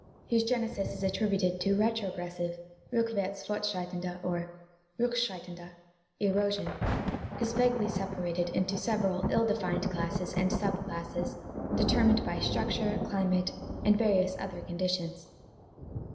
whose genesis is attributed to retrogressive (rilckwarts fort schreitende " or " rtickschreitende ") erosion, is vaguely separa ted into several ill defined classes and sub classes determined by structure, climate, and various other conditions.